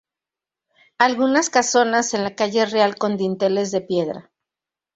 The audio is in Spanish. Algunas casonas en la Calle Real con dinteles de piedra.